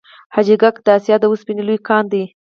حاجي ګک د اسیا د وسپنې لوی کان دی